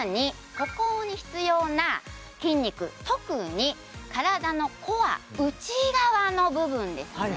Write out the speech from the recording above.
歩行に必要な筋肉特に体のコア内側の部分ですね